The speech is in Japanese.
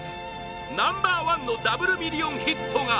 ’ｚナンバー１のダブルミリオンヒットが